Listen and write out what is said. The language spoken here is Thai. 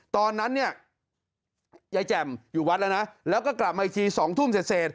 ตอนนั้นเนี่ยยายแจ่มอยู่วัดแล้วนะแล้วก็กลับมาอีกที๒ทุ่มเสร็จ